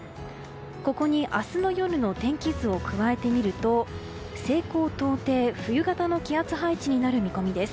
ここに明日の夜の天気図を加えてみると西高東低冬型の気圧配置になる見込みです。